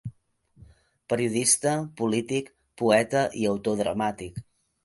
Periodista, polític, poeta i autor dramàtic.